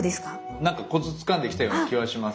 なんかコツつかんできたような気はします。